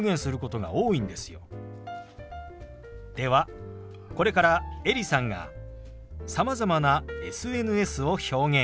ではこれからエリさんがさまざまなＳＮＳを表現します。